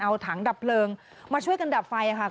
เอาถังดับเพลิงมาช่วยกันดับไฟค่ะ